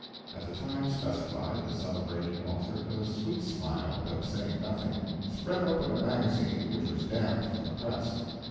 At the time specified, the celebrated author, with a sweet smile, but saying nothing, spread open a magazine which was damp from the press.